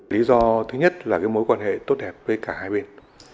lý do thứ nhất là cái mối quan hệ tốt đẹp với cả hai bên